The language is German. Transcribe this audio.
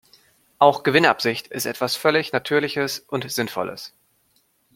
Auch Gewinnabsicht ist etwas völlig Natürliches und Sinnvolles.